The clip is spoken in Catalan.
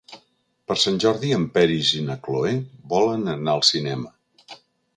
Per Sant Jordi en Peris i na Cloè volen anar al cinema.